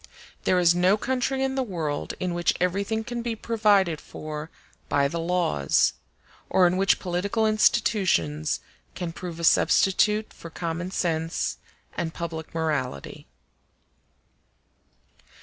There is no country in the world in which everything can be provided for by the laws, or in which political institutions can prove a substitute for common sense and public morality.